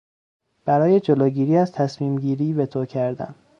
برای جلوگیری از تصمیمگیری وتو کردن